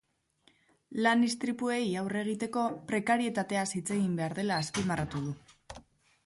Lan-istripuei aurre egiteko, prekarietateaz hitz egin behar dela azpimarratu du.